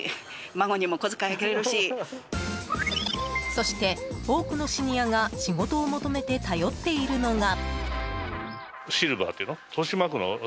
そして、多くのシニアが仕事を求めて頼っているのが。